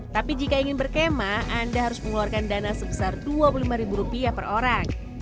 tapi jika ingin berkemah anda harus mengeluarkan dana sebesar dua puluh lima ribu rupiah per orang